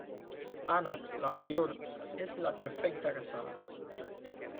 Ana la mayor, es la perfecta casada.